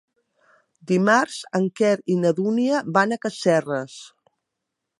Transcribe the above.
Dimarts en Quer i na Dúnia van a Casserres.